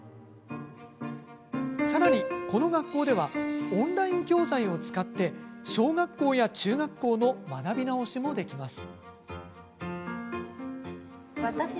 さらに、この学校ではオンライン教材を使って小学校や中学校の学び直しもできます。